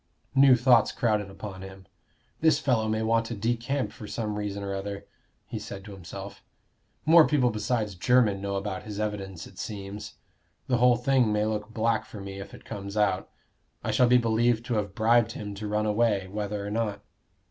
New thoughts crowded upon him. "This fellow may want to decamp for some reason or other," he said to himself. "More people besides Jermyn know about his evidence, it seems. The whole thing may look black for me if it comes out. I shall be believed to have bribed him to run away, whether or not."